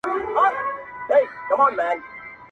د شهيد سوي خم کودري مي په قبر کشيږدئ